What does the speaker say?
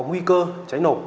có nguy cơ cháy nổ